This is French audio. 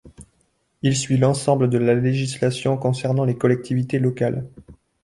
Il suit l’ensemble de la législation concernant les collectivités locales.